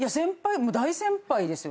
大先輩ですよ。